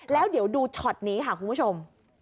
แล้วเดี๋ยวดูช็อตนี้ค่ะคุณผู้ชม